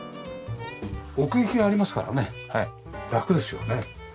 奥行きがありますからね楽ですよね。